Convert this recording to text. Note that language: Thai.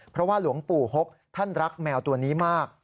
เพราะว่าหลวงปู่หกท่านรักแมวตัวนี้มาก